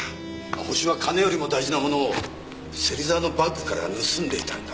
ホシは金よりも大事な物を芹沢のバッグから盗んでいたんだ。